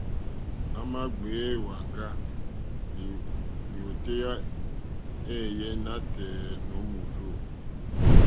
À mà gbèyá èwàŋgá lìwòtéyá éèyé nǎtɛ̀ɛ̀ nǒ mòrzô.